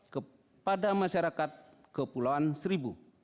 kepada masyarakat kepulauan seribu